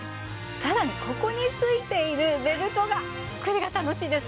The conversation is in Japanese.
さらにここに付いているベルトがこれが楽しいです。